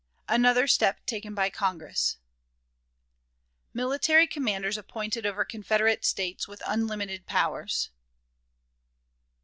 Another Step taken by Congress. Military Commanders appointed over Confederate States, with Unlimited Powers.